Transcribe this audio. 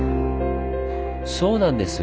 そうなんです！